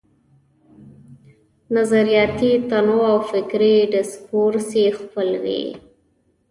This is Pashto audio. نظریاتي تنوع او فکري ډسکورس یې خپل وي.